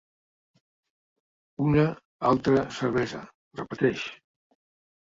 Una, altra, cervesa, repeteix.